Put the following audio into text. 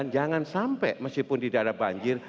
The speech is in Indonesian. jangan sampai meskipun tidak ada banjir